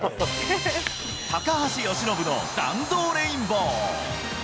高橋由伸の弾道レインボー。